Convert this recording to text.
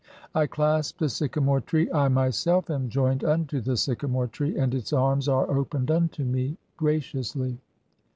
I clasp the sycamore tree, (44) 1 myself am joined "unto the sycamore tree, and its arm[s] are opened unto me "graciously.